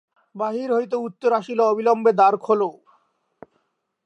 বাহির হইতে উত্তর আসিল, অবিলম্বে দ্বার খোলো।